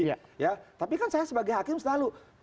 iya tapi kan saya sebagai hakim selalu